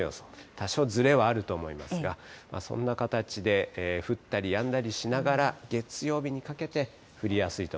多少ずれはあると思いますが、そんな形で降ったりやんだりしながら、月曜日にかけて降りやすいと。